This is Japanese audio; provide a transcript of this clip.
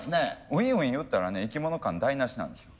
ウィンウィン言ったらね生き物感台なしなんですよ。